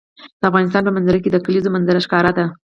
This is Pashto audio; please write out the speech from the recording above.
د افغانستان په منظره کې د کلیزو منظره ښکاره ده.